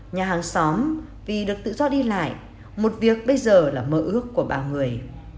nhà hàng xóm vì được tự do đi lại một việc bây giờ là mơ ước của bao người